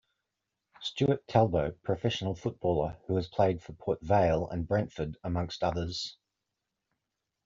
Stewart Talbot, professional Footballer who has played for Port Vale and Brentford amongst others.